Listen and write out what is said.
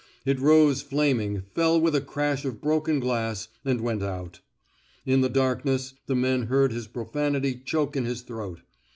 It rose flaming, fell with a crash of broken glass, and went out. In the darkness, the men heard his profanity choke in his throat.